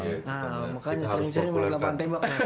nah makanya sering sering mereka lapangan tembak